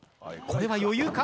これは余裕か？